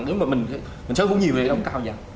nếu mà mình sở hữu nhiều thì nó cứ đóng cao dần